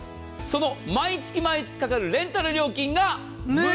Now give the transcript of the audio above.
その毎月毎月かかるレンタル料金が。